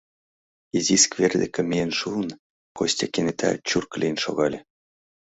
Изи сквер деке миен шуын, Костя кенета чурк лийын шогале.